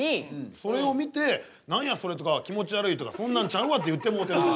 それを見て何やそれとか気持ちわるいとかそんなんちゃうわって言ってもうてる。